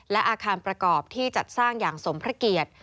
และอาคารประกอบที่จัดสร้างอย่างสมพระเกียรติ